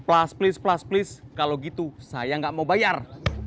plus plus plus plus kalau gitu saya gak mau bayar